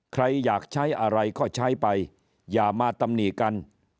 ใครอยากใช้อะไรก็ใช้ไปอย่ามาตำหนิกัน